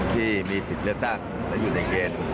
ที่มีสิทธิ์เลือกตั้งและอยู่ในเกณฑ์